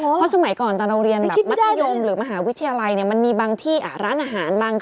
เพราะสมัยก่อนตอนเราเรียนแบบมัธยมหรือมหาวิทยาลัยมันมีบางที่ร้านอาหารบาง